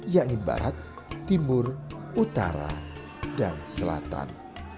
yakni barat timur utara dan selatan